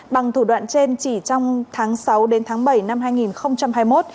bằng thủ đoạn trên chỉ trong tháng sáu đến tháng bảy năm hai nghìn hai mươi một